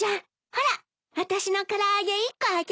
ほらあたしの唐揚げ１個あげるから。